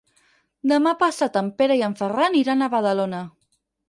Demà passat en Pere i en Ferran iran a Badalona.